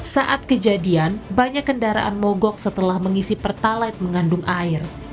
saat kejadian banyak kendaraan mogok setelah mengisi pertalite mengandung air